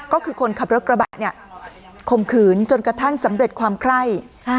ก็คือคนขับรถกระบะเนี่ยข่มขืนจนกระทั่งสำเร็จความไคร่